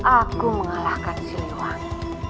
aku mengalahkan si lewati